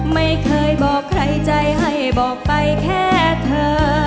ไม่เคยบอกใครใจให้บอกไปแค่เธอ